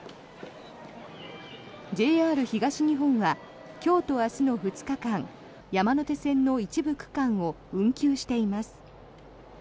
ＪＲ東日本は今日と明日の２日間山手線の一部区間を運休しています。